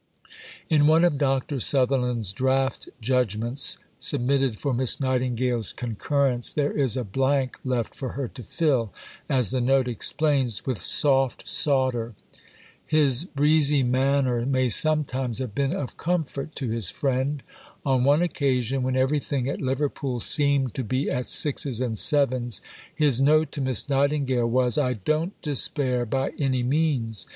In one of Dr. Sutherland's draft judgments submitted for Miss Nightingale's concurrence there is a blank left for her to fill, as the note explains, with "soft sawder." His breezy manner may sometimes have been of comfort to his friend. On one occasion, when everything at Liverpool seemed to be at sixes and sevens, his note to Miss Nightingale was: "I don't despair by any means.